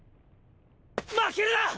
負けるな！